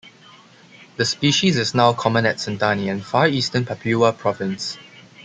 The species is now common at Sentani in far eastern Papua Province.